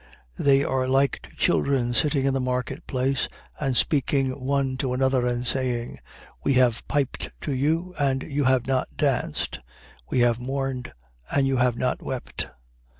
7:32. They are like to children sitting in the marketplace and speaking one to another and saying: We have piped to you, and you have not danced: we have mourned, and you have not wept.